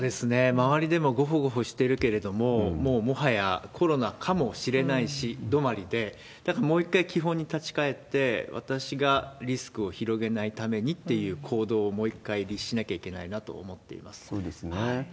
周りでもごほごほしてるけれども、もう、もはやコロナかもしれないし止まりで、だからもう一回基本に立ち返って、私がリスクを広げないためにっていう行動をもう一回律しなきゃいそうですね。